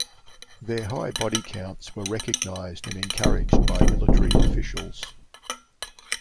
Their high bodycounts were recognized and encouraged by military officials.